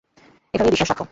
এভাবেই বিশ্বাস রাখো।